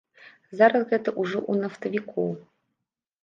Зараз гэта ўжо ў нафтавікоў.